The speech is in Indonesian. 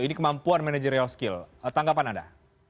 ini kemampuan manajerial skill tanggapan anda